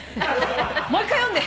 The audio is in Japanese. もう１回読んで。